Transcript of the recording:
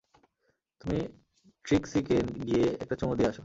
তুমি ট্রিক্সিকে গিয়ে একটা চুমো দিয়ে আসো।